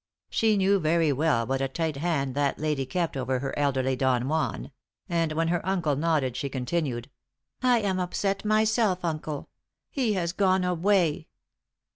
She knew very well what a tight hand that lady kept over her elderly Don Juan; and when her uncle nodded, she continued: "I am upset myself, uncle. He has gone away!"